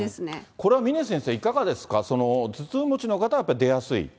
これは峰先生、いかがですか、頭痛持ちの方はやっぱり出やすい？